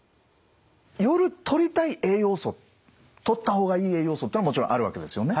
夜とりたい栄養素とった方がいい栄養素というのはもちろんあるわけですよね。